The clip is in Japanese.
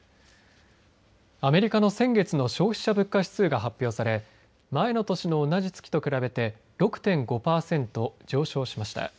アメリカの先月の消費者物価指数が発表され前の年の同じ月と比べて６．５パーセント上昇しました。